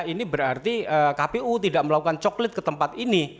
ini berarti kpu tidak melakukan coklit ke tempat ini